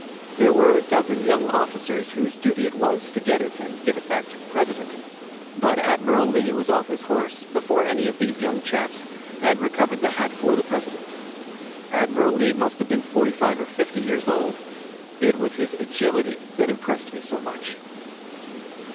There were a dozen young officers whose duty it was to get it and give it back to the President; but Admiral Lee was off his horse before any of these young chaps, and recovered the hat for the President. Admiral Lee must have been forty five or fifty years old. It was his agility that impressed me so much.